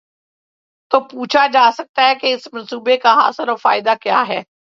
تو پوچھا جا سکتا ہے کہ اس منصوبے کاحاصل اور فائدہ کیا ہے؟